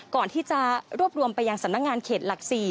ก่อนที่จะรวบรวมไปยังสำนักงานเขตหลัก๔